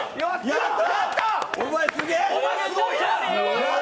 やった！